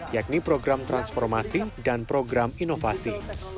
yakni program transformasi dan program inovasi